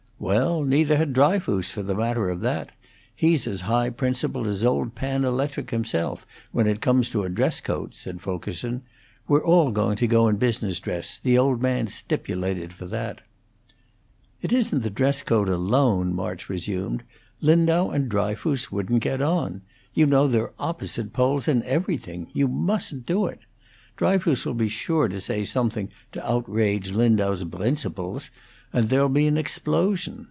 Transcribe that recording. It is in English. "Well, neither had Dryfoos, for the matter of that. He's as high principled as old Pan Electric himself, when it comes to a dress coat," said Fulkerson. "We're all going to go in business dress; the old man stipulated for that. "It isn't the dress coat alone," March resumed. "Lindau and Dryfoos wouldn't get on. You know they're opposite poles in everything. You mustn't do it. Dryfoos will be sure to say something to outrage Lindau's 'brincibles,' and there'll be an explosion.